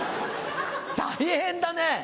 大変だね。